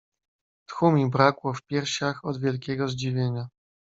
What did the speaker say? "Tchu mi brakło w piersiach od wielkiego zdziwienia."